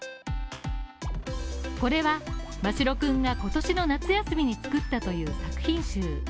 これはマシロくんが今年の夏休みにつくったという作品集。